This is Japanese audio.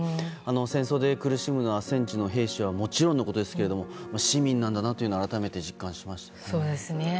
戦争で苦しむのは戦地の兵士はもちろんのことですが市民なんだなというのを改めて実感しました。